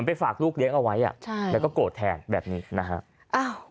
ไปฝากลูกเลี้ยงเอาไว้แล้วก็โกรธแทนแบบนี้นะฮะ